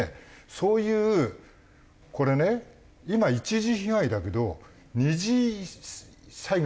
そういうこれね今一次被害だけど二次災害っていうの？